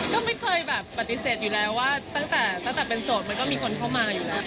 ก็ไม่เคยแบบปฏิเสธอยู่แล้วว่าตั้งแต่เป็นโสดมันก็มีคนเข้ามาอยู่แล้ว